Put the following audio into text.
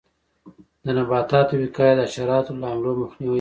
د نباتاتو وقایه د حشراتو له حملو مخنیوی کوي.